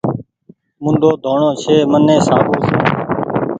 موڍو ڌوڻو ڇي مني صآبو سون